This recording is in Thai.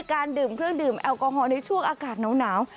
การดื่มเครื่องดื่มแอลกอฮอลในช่วงอากาศหนาว